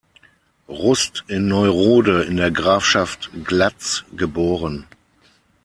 Rust in Neurode in der Grafschaft Glatz geboren.